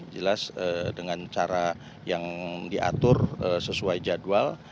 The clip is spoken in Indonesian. jelas dengan cara yang diatur sesuai jadwal